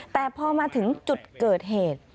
แต่พอมาถึงจุดเกิดเหตุ